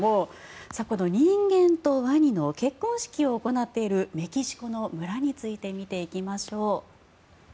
この人間とワニの結婚式を行っているメキシコの村について見ていきましょう。